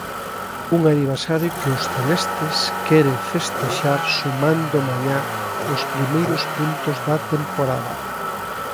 Un aniversario que os celestes queren festexar sumando mañá os primeiros puntos da temporada.